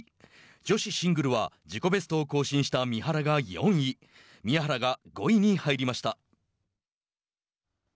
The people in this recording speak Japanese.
女子シングルは自己ベストを更新した三原が４位宮原が５位に入りました。